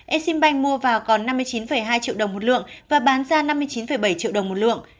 exim bank mua vào còn năm mươi chín hai triệu đồng một lượng và bán ra năm mươi chín bảy triệu đồng một lượng